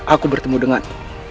aku bertemu denganmu